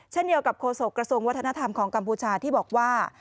เช่นเดียวกับโฆษกระทรวงวัฒนธรรมของกัมพูชาที่บอกว่า